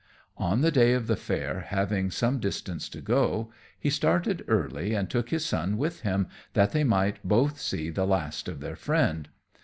On the day of the fair, having some distance to go, he started early, and took his son with him, that they might both see the last of their friend.